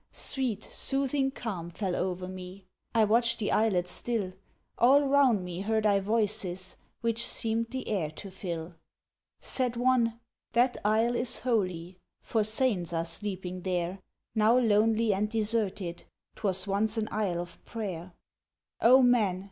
Sweet, soothing calm fell o'er me I watched the Islet still, All round me heard I voices Which seemed the air to fill. Said one, "That Isle is holy, For Saints are sleeping there, Now lonely and deserted, T'was once an Isle of prayer." "O Man!